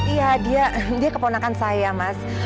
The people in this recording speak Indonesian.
iya dia keponakan saya mas